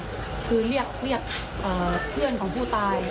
คือเรียกเพื่อนของผู้ตาย